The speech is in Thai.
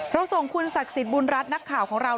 ส่งคุณศักดิ์สิทธิ์บุญรัฐนักข่าวของเรา